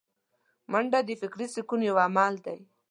منډه د فکري سکون یو عمل دی